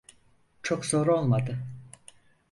Çok zor olmadı.